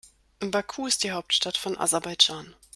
Baku ist die Hauptstadt von Aserbaidschan.